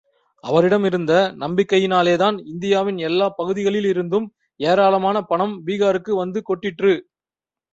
அவரிடம் இருந்த நம்பிக்கையினாலேதான் இந்தியாவின் எல்லா பகுதிகளிலிருந்தும் ஏராளமான பணம் பீகாருக்கு வந்து கொட்டிற்று.